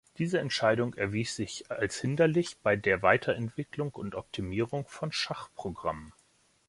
Diese Entscheidung erwies sich als hinderlich bei der Weiterentwicklung und Optimierung von Schachprogrammen.